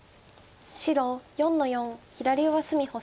白４の四左上隅星。